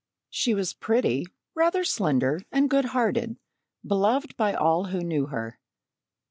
She was pretty, rather slender, and good hearted, beloved by all who knew her."